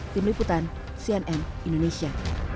tim liputan cnn indonesia